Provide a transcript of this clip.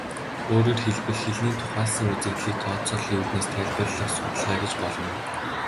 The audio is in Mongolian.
Өөрөөр хэлбэл, хэлний тухайлсан үзэгдлийг тооцооллын үүднээс тайлбарлах судалгаа гэж болно.